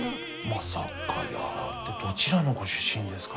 「まさかやー」ってどちらのご出身ですかね。